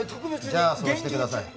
じゃあそうしてください。